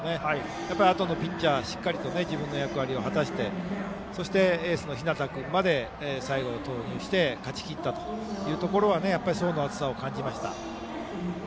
やっぱりあとのピッチャーがしっかり自分の役割を果たしてそして、エースの日當君まで最後、投入して勝ちきったというところは層の厚さを感じました。